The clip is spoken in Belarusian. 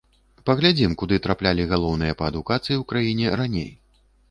Паглядзім, куды траплялі галоўныя па адукацыі ў краіне раней.